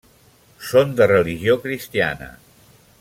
Són de religió cristiana.